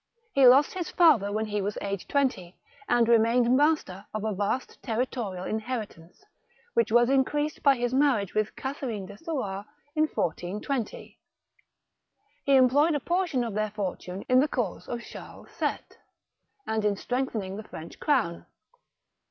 He lost his father when he was aged twenty, and re mained master of a vast territorial inheritance, which was increased by his marriage with Catharine de Thenars in 1420. He employed a portion of their fortune in the cause of Charles VU., and in strengthening the French crown.